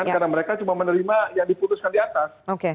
karena mereka cuma menerima yang diputuskan di atas